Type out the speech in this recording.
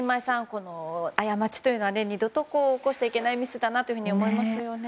この過ちというのは二度と起こしてはいけないミスだなと思います。